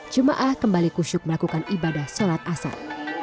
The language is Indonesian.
jemaah kembali kusyuk melakukan ibadah sholat asar